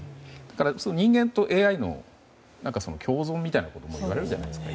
人間とＡＩの共存みたいなことも言うじゃないですか。